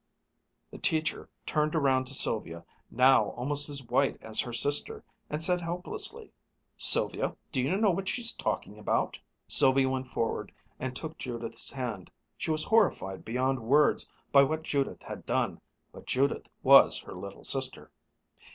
The teacher turned around to Sylvia, now almost as white as her sister, and said helplessly, "Sylvia, do you know what she's talking about?" Sylvia went forward and took Judith's hand. She was horrified beyond words by what Judith had done, but Judith was her little sister.